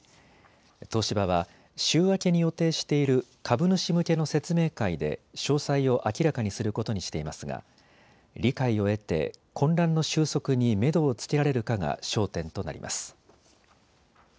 東芝は週明けに予定している株主向けの説明会で詳細を明らかにすることにしていますが理解を得て、混乱の収束にめどをつけられるかが焦点となります。